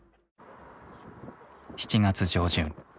７月上旬。